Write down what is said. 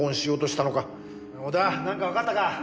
織田なんかわかったか？